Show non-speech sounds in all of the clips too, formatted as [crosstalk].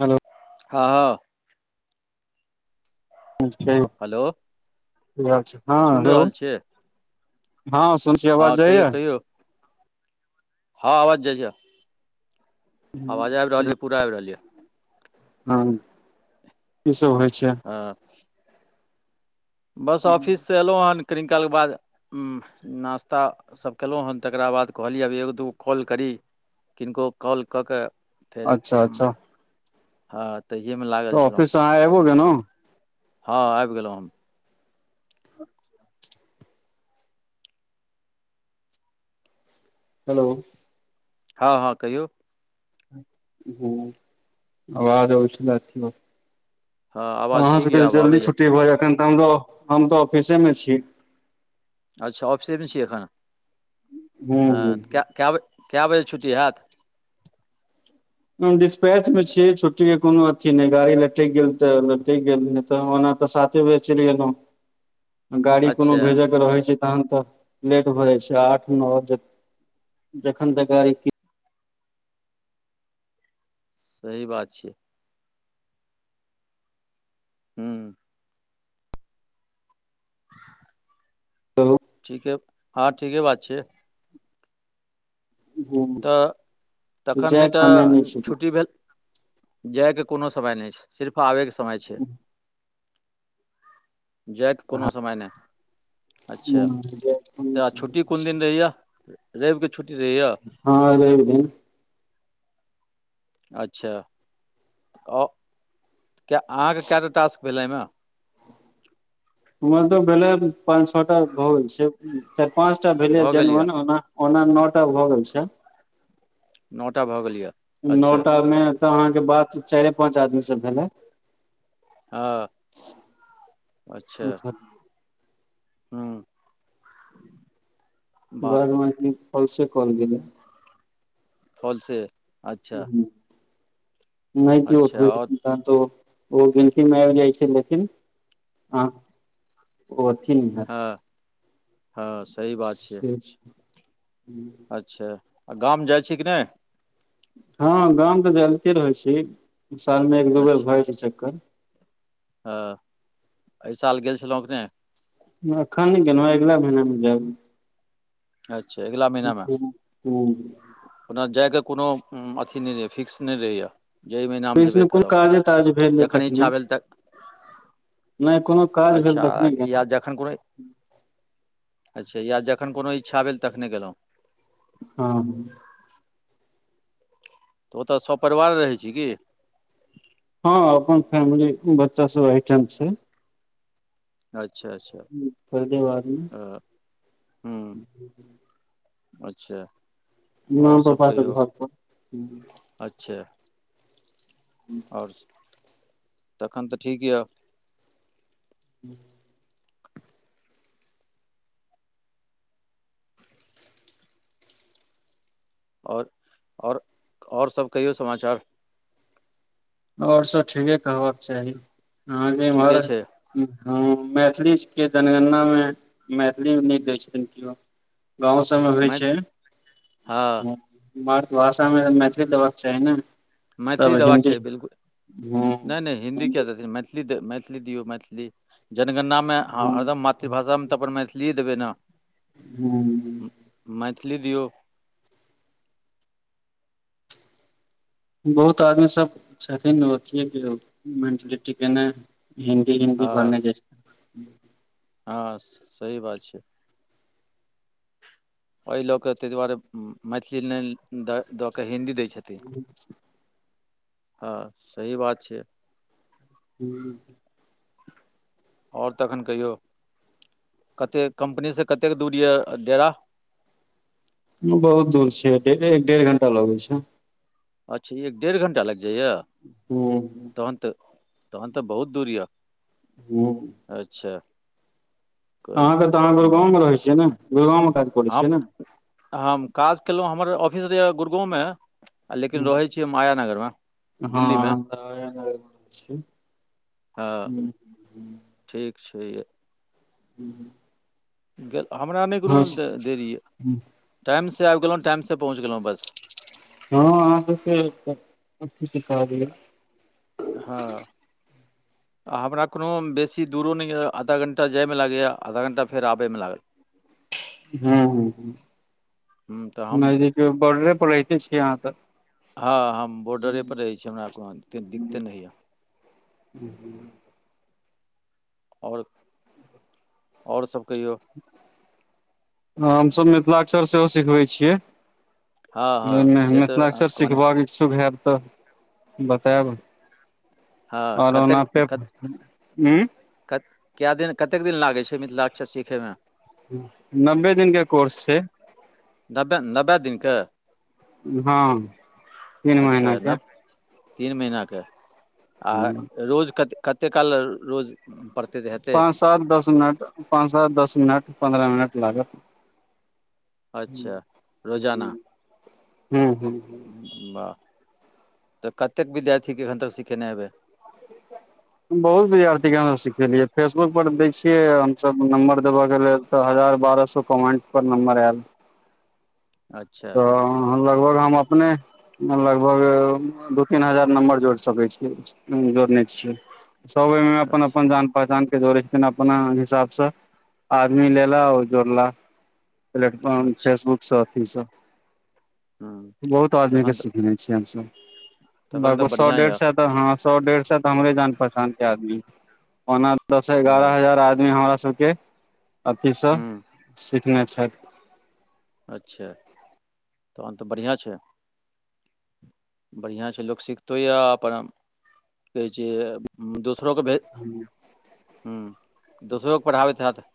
Hello हाँ हाँ hello हाँ सुनि हेलो रहल हाँ सुने छीए हाँ कहियौ कहियौ हाँ अवाज जाई ये आवाज आबि रहल यऽ पूरा आबि रहल यऽ हाँ कि सब होई छय हाँ बस ऑफिस सँ ऐलोहन कनी काल के बाद नास्ता सब कयलहुँ हन तकरा बाद कहलियै अब एगो दू गो कॉल करी किनको कॉल कऽ के फेर अच्छा हुम अच्छा तऽ ई में लाग तऽ ऑफिस सँ अहाँ एबो गेने हाँ आइब गेलहुँ हम हेलो हाँ हाँ कहियउ हूँ आवाज ओबैय छेलय हँ आवाज अहाँ ठीक सब यऽ के जे आब जल्दी आबैए छुट्टी भऽ जाय एखन तऽ हम हम तऽ ऑफिसे में छी अच्छा ऑफिसे में ने छी एखन हूँ हँ हूँ कए कए बजे कए बजे छुट्टी हैत डिस्पैच में छीयै छुट्टी के कोनो अथी नहि गाड़ी लटक गेल तऽ लटक गेल नहि तऽ ओना तऽ साथ तैयो चल गोलो [inaudible] गाड़ी कोनो अच्छा भेजय कऽ रहै छय तहन‌ तऽ लेट भऽ जाइ छय आठ नो जख जखन तऽ गाड़ी सही बात छीयइ हूँ ठीके हाँ ठीके बात छियइ कहू तऽ तखन नय जायके तऽ समय नहि छै छुट्टी भेल जाय के कोनो समय नहि छै सिर्फ आबय के समय छय जाय के कोनो समय नही अच्छा तऽ छुट्टी कोन दीन रहैए रवि के छुट्टी रहै हँ अ अच्छा आ अहाँके कएटा टास्क भेलै एहिमें ओमहर तऽ भेलै पाँच छओटा भोल छै चार पाँचटा भेलै भऽ गेल यए जनन ओना ओना नओ टा भऽ गेल छय नौटा भऽ गेल यऽ नओ टा में तऽ अहाँके बात चारे पाच आदमी से भेलै हँ अच्छा हम्म बाज म कलसे कॉल गेलौ फल से अच्छा नइ केठ अच्छा आओर छथिन तहन तऽ ओ गिनती मे आबि जाई छै लेकिन ओथिन नइ हाँ हस सोच हूँ अच्छा आ गाम जाइ छी कि नइ हँ गाम तऽ जलिते रहैत छी सालमे एक दू बेर भऽ जा छै चक्कर हं एहि साल गेल छलहुँ कने एखन नइ गेलहुँ अगिला महीना मे जाब अच्छा अगला महीना में हूँ अपना जाइके कोनो अथी नइ रहैए फिक्स नहि रहैए जाहि में नाम जेबे बीचमे कोन करब जखन इच्छा भेल तऽ नइ कोनो काज भेल तखने गेलहुँ खन कोनो अच्छा या जखन कोनो इच्छा भेल तखने गेलहुँ हं तऽ ओतऽ सभ परिवार रहय छी की हँ अपन फैमिली बच्चा सब एठाम छय अच्छा अच् फ देे बाज में हूँ अच्छा आओर सभ मपापा सब कहियौ घर पर अच्छा तखन तऽ ठीक यऽ हुँ ओर ओर ओर सब कहियो समाचार ओर सब ठीके कहबाक चाही अहाँके एम्हर ठीके छै हँ मैथिलीके जनगणना में मैथिली नहि दै छथिन केओ गाँव सबमे होइ मै छै हँ मातृभाषा में मैथिली देबाक चाही ने मैथिली सब देबाक हिन्दी चाही बिलकुल हँ नै नै हिन्दी क्या मैथिली मैथिली दियौ मैथिली जनगणनामे हँ हरदम मातृभाषा में तऽ अपन मैथिलीए देबै ने हूँ मैथिली दियउ बहुत आदमी सब छथिन अथिए मेन्टलिटीके नइ हइ हिन्दी हिन्दी हँ भने ज हँ सही बात छय एहि लऽ कऽ तहि दुआरे मैथिली नहि दऽ दऽ कऽ हिन्दी दै छथिन हँ सही बात छय हूँ ओर तखन कहियौ कतेक कम्पनीसँ कतेक दूर यऽ डेरा बहुत दूर छ एक डेढ़ घंटा लगै छै अच्छा एक डेढ़ घण्टा लाइग जाइया हूँ तहन्त तहन तऽ बहुत दूरीय हँ अच्छा कोइ अहाँ केत अहा वाह गुड़गांव रहय छियै ने गुड़गाँव करै हम छियै ने हम काज केलहुँ हमर ऑफिस रहए गुड़गाँव में आ लेकिन रहै छीयै माया नगरमे दिल्ली में हँ हँ हं ठीक छय य हूँ हूँ गेल हमरा नय कोनो देरी यऽ टाइमसँ आब गेलहुँ टाइमसँ पहुँच गेलहुँ बस हँ अहाँ सब से अथीसँ कह दियइ हं हमरा कोनो बेसी दूरो नहि य आधा घण्टा जाइ में लागैए आधा घण्टा फेर आबयमे लागल ह हं ह हूँ तऽ हम नजदीक बॉर्डरे पर रते छी यहाँ तऽ हँ हम बॉर्डरेपर रहै छी हमरा कोनोेक दिक्कते नहि यए हं हं [unintelligible] और और सब कहियौ हमसभ मिथिलाक्षर सेहो सिखबै छियइ हँ हँ से तऽ मेहनतना अहाँ अक्सर कहने छी। सिखब इछु हब तऽ बतायब हँ ओर ओना कतेक पे कत [unintelligible] हूँ कत कए दिन कतेक दिन लागै छै मिथिलाक्षा सीखै में नबे दिन के कोर्स छय नब्बे नब्बे दिनके हँ तीन महीना अच्छा न के तीन महिने आ रोज कत कते काल रोज पड़ते देहत पाँच सात दस मिनट पाँच सात दस मिनट पन्द्रह मिनट लागत हं अच्छा रोजाना ह ह ह [unintelligible] वाह तऽ कतेक विद्यार्थी के एखन तक सिखेने हेबइ [inaudible] बहुत विद्यार्थी के हमसभ सिखेलियै फेसबुक पर दै छियै हमसब नम्बर देबयके लेल हजार बारह सौ कमेंट पर नंबर एल अच्छा तऽ लगभग हम अपने लगभग दू तीन हजार नम्बर जोड़ सकइ छीय जोड़ने छियै सब ओहि में अपन अच्छा अपन जान पहचान के जोड़े छथिन अपना हिसाब से आदमी ले ला आ जोड़ला प्लेटफॉर्म अच्छा फेसबुक स अथी सँ हूँ बहुत आदमी के तखन तऽ सिखने छियइ हमसब तखन तऽ लगभग सौ बढ़िआँ डेढ़ यए सौ तऽ हँ सौ डेढ़ सो तऽ हमरे जान पहचान के आदमी ओना दस एगारह हँ हजार आदमी हमरा सबके अथी सँ हूँ सिखने छइथ अच्छा तहन तऽ बढ़िआँ छय बढ़िआँ छय लोक सिखतो यए अपन कहै छै दोसरोे भेज ह दोसरोे पढ़ाबैत ह तऽ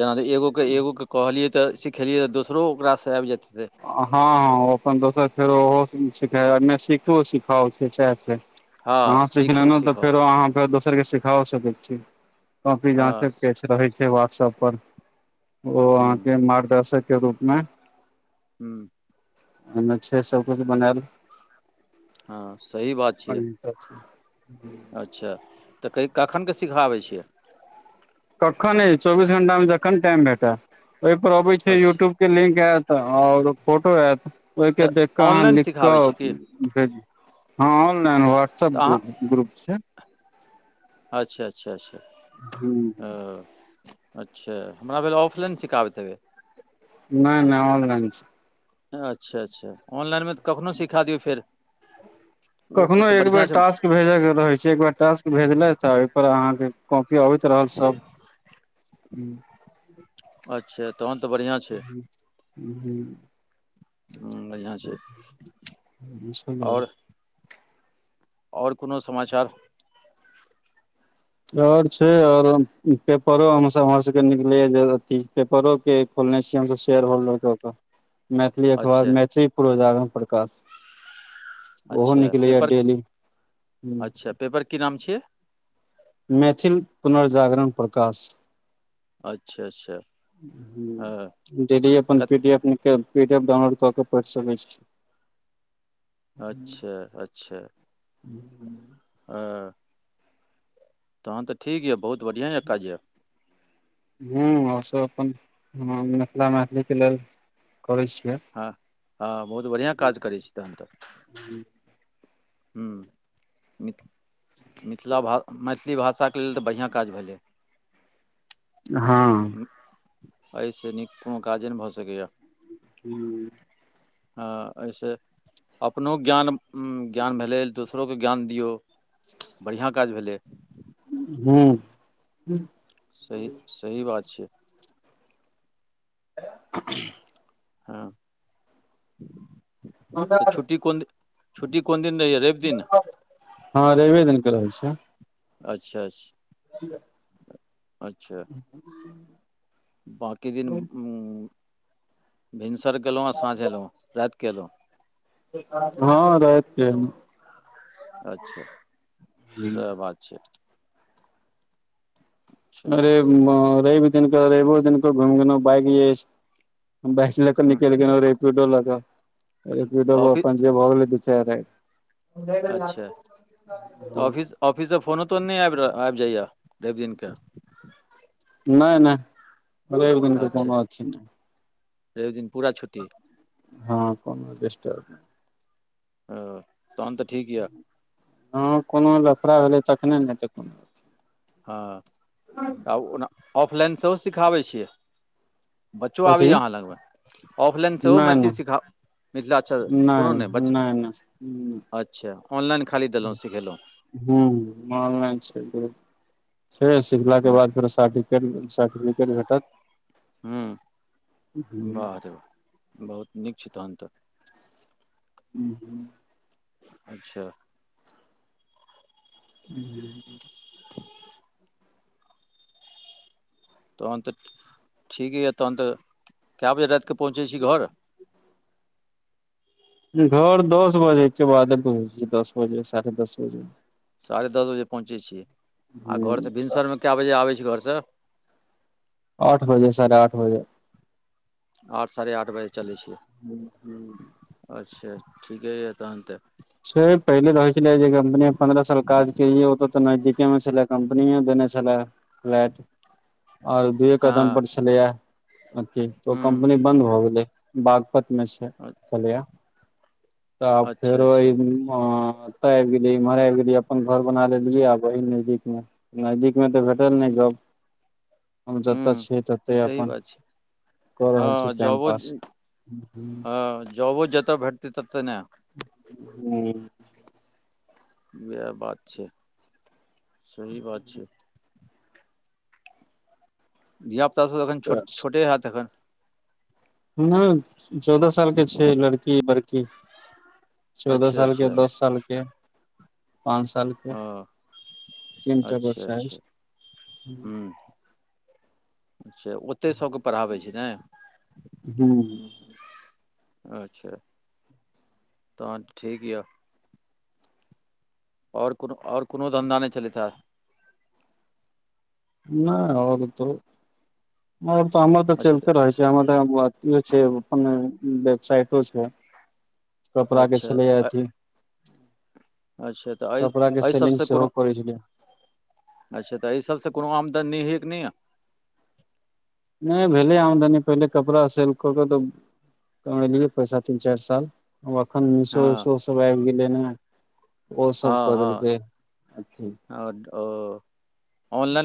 जेना एगोक के एगोक के कहलियै तऽ सिखेलियै तऽ दोसरो ओकरा सँ आबि जेतइ हँ अपन दोसर फेरो ओहो सिख सिख सिखा हँ अहाँ सिख सीखू लेलहु तऽ सीखब फेरो आहाँ दोसर के सिखा सकैत छी कॉी जह हँ रहै छय व्हाट्सएप पर ओ अहाँ हूँ के मार्गदर्शक के रूप में हूँ ओहिमे छय सबकिछु बनायल हँ सही बात ह छियै छय अच्छा तऽ कय कखनके सीखाबै छियै कखन चौबीस घंटा में जखन टाइम भेटै ओहि पर अबै छै अच्छा यूट्यूब के लिंक आयत ओर फोटो आयत ओहि के तऽ देख क अहाँ ऑनलाइन लिख क सिखाबै छी की भेज हं ऑनलाइन व सब तऽ अहाँ ग्रु ग्रुप छय अच्छा अच्छा अच्छा हूँ ओ अच्छा हमरा भेल ऑफलाइन सिखाबैत हेबइ नय नय ऑनलाइन से अच्छा अच्छा ऑनलाइन में तऽ कखनो सिखा दियउ फेर ओ ओ कखनो तऽ एक बेर बढ़िआँ छै टास्क भेजै के रहै छै टास्क भेजले तऽ ओहिप अहाँके कॉपी अबैत रहल सब अच्छा तहन बढ़ियां ह हं ह्म बढ़िआँ छय छलइ ओर कोनो समाचार ओर छै आओर पेपरो हम हमर सभके निकलैए जे अथी पेपरोके खोलने छियै हमसब शेयर होल्डरऽ कऽ मैथिली अखबार अच्छा मैथिली पुर्वजागरण प्रकाश ओहो अच्छा निकल अ पेपर डेली ह अच्छा पेपर की नाम छियइ मैथिल पुनर्जागरण प्रकाश अच्छा अच्छा हँ हूँ डेली अपन कत पीडीएफ डाउनलोड कऽ के पढ़ि सकैत छी अच्छा अच्छा हूँ हं तहन तऽ ठीक यऽ बहुत बढ़िआँ यऽ काज यऽ हं आओ सब अपन मिथिला मैथिलीक के लेल करै छियै हँ हँ बहुत बढ़िआँ काज करइ छी तहन तऽ हं मिथ मिथिला भा मैथिली भाषाक बढ़िआँ कऽ हँ एहिसँ नीक कोनो काजे नइ भऽ सकैएा हूँ हँ एहिस अपनो ज्ञान ज्ञान भेलै दोसरोके ज्ञान दियौ बढ़िआँ काज भेलइ हँ सही सही बात छय [unintelligible] हँ तऽ छुटी कोन द छुटी कोन दिन नहि य हँ रबे दिनके रहै छय अच्छा अच्छा ह [inaudible] अच्छा ह [inaudible] बाँकी दिन भिनसर गेलहुँ आ साँझ अयलहुँ राइत के अलहुँ हँ रात के अच्छा सएह बात छय अच्छा अरे रवि दिन के रइबो दिन को घुम गेलहु बाइक स बैच लाके हँ निकल गेलो रेपिडो लाके तऽ रेपिडो ऑफिस अपन जे भल दऽ छै अच्छा तऽ [unintelligible] ऑफिस सँ फोनो तोन नइ आबि आबि जाइया रवि दिन के नहि नहि रइब दिन के कोनो अथि नहि र ओ दिनूरा छुट्टी हँ कोनो चष्ट ओ तहन तऽ ठीक यऽ हँ कोनो लफड़ा भेलइ तखने ने हेतै कोनो हँ आ ओना ऑफलाइन सेहो सिखाबै छियै बच्चो कथी आबैए अहाँ लग में ऑफलाइन सेहो नहि मैथिली नहि सिखाउ मिथिला अच्छा नहि कोनो नइ बचा नहि नहि नहि अच्छा ऑनलाइन खाली देलहुँ सिखेलहुँ हं अनलाइन छै छै सिखला के हूँ बाद फेर शादी सर्टिफिकेट भेटत हूँ बाह रे बहुत नीक छय तहन त हूँ हूँ [inaudible] अच्छा ह [inaudible] तहन तऽ ठीक य तहन त कए बजे रात क पहुँचै छी घर घर दस बजे के बादे पहुँचे दस बजे साढ़े दस बजे साढ़े दस बजे पहुँचै छियै आ घर सँ ह भिनसर में कए बजे आबै छी घरसँ आठ बजे साढ़े आठ बजे आठ साढ़े आठ बजे चलै छियै अच्छा ठीके य तहन तऽ से पहिले रहय छले जे कम्पनी पंन्द्रह साल काज केलियै ओत ते नजदीके में छले कंपनी देने छले फ्लैट ओर दुए कदम हँ पर छलैया अथी हूँ कम्पनी बन्द भ गेलै बागपत में छै चलैया त अच्छा फेरो अच्छा ई एत आइब गेली इम्हर आबि गेलिय अपन घर बना लेलिऐ आब वहि नजदीक में नजदीक में तऽ भेटल नहि जॉब हम जतऽ हूँ छियै तते सही अपन बात छय कऽ रहल छी हँ टाइम जॉबो पास हं जॉबो जत भटते तेटते ने हूँ इएह बात छै सही बात छय धिया पुता सब अखन छोट छोटे होयत अखन हूँ चौदह साल के छय लड़की बड़की चौदह अच्छा साल के अच्छा दस साल के पाँच साल के हँ तीन टा अच्छा बच्चा अच्छा अइछ ओ ओते सबके पढ़ाबै छय ने हूँ अच्छा तह ठीक य ओर कोनो ओर कोनो धन्धा नय चलै छै नहि ओर त ओर त हमर त अच्छा तऽ चलते रहै छी हम ई छै अपन वेबसाइटो छै कपड़ा के अच्छा छलै तऽ अथी अच्छा तऽ एहि कपड़ा के एहि सेलिंग सबसँ कोनो सेहो कर छलै य अच्छा त एहि सबसँ कोनो आमदनी निहित नहि य नहि भेलै आमदनी पहिले कपड़ा सेल कऽ कऽ त कमेलियै पैसा तीन चारि साल आब एखन मिशो हँ उशो सभ आब गेलै न ओ सब कऽ देलकै अथी आओ ओ ऑनलाइन